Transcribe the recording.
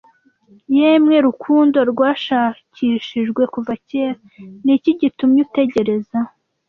Yemwe rukundo rwashakishijwe kuva kera, ni iki gitumye utegereza,